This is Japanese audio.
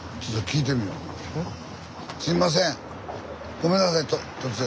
ごめんなさい突然。